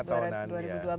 lima tahunan ya